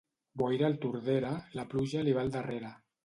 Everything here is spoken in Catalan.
Boira al Tordera, la pluja li va al darrere.